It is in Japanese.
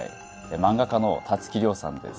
マンガ家のたつき諒さんです